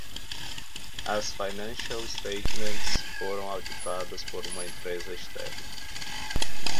As financial statements foram auditadas por uma empresa externa.